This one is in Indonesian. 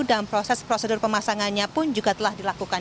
dan proses prosedur pemasangannya pun juga telah dilakukan